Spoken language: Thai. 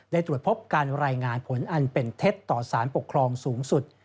ตรวจพบการรายงานผลอันเป็นเท็จต่อสารปกครองสูงสุด